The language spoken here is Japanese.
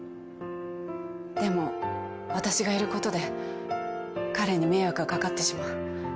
でも私がいることで彼に迷惑がかかってしまう。